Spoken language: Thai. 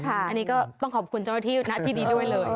อันนี้ก็ต้องขอบคุณเจ้าหน้าที่ณที่นี้ด้วยเลย